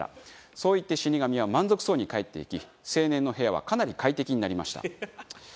そう言って死神は満足そうに帰っていき青年の部屋はかなり快適になりました。